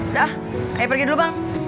dah ayo pergi dulu bang